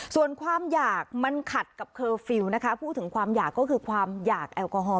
ส่วนความอยากมันขัดกับเคอร์ฟิลล์นะคะพูดถึงความอยากก็คือความอยากแอลกอฮอล